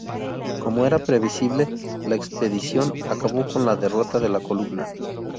Como era previsible, la expedición acabó con la derrota de la columna.